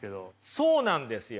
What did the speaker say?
そうなんですよ。